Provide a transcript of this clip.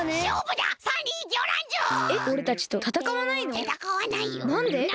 なんで？